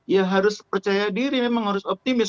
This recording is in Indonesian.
ya harus percaya diri memang harus optimis